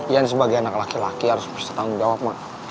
yan sebagai anak laki laki harus berisik tanggung jawab ma